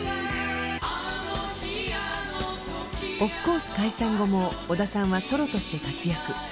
オフコース解散後も小田さんはソロとして活躍。